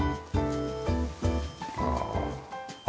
ああ。